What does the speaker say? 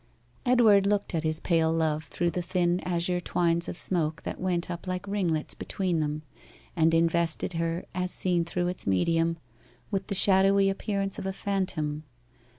Edward looked at his pale love through the thin azure twines of smoke that went up like ringlets between them, and invested her, as seen through its medium, with the shadowy appearance of a phantom.